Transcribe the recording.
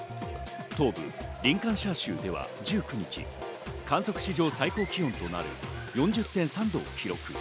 東部リンカンシャー州では、１９日、観測史上最高気温となる４０．３度を記録。